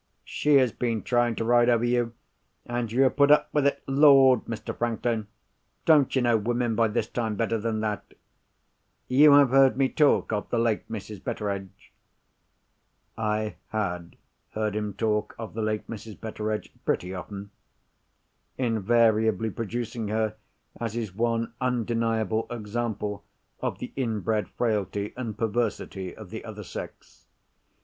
She has been trying to ride over you—and you have put up with it. Lord, Mr. Franklin, don't you know women by this time better than that? You have heard me talk of the late Mrs. Betteredge?" I had heard him talk of the late Mrs. Betteredge pretty often—invariably producing her as his one undeniable example of the inbred frailty and perversity of the other sex.